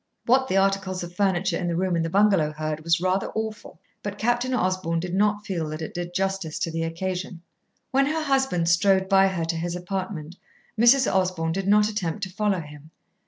What the articles of furniture in the room in the bungalow heard was rather awful, but Captain Osborn did not feel that it did justice to the occasion. When her husband strode by her to his apartment, Mrs. Osborn did not attempt to follow him.